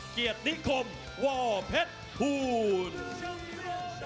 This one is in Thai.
เกียรติคมวเพชรภูนย์